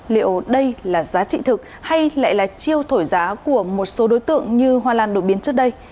liệu đây là giá trị thực hay lại là chiêu thổi giá của một số đối tượng như hoa lan đột biến trước đây